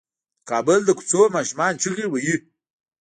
د کابل د کوڅو ماشومان چيغې وهي.